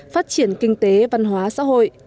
phát triển kinh tế văn hóa xã hội